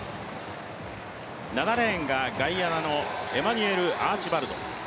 ７レーンがガイアナのエマニュエル・アーチバルド。